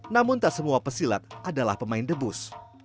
namun tak semua pesilat adalah pemain debus